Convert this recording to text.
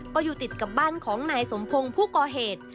ก็อยู่ติดกับบ้านของนายสมพงศ์ผู้ก่อเหตุ